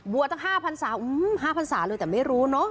บวชตั้ง๕๐๐๐สาวอื้อหือ๕๐๐๐สาวเลยแต่ไม่รู้เนอะ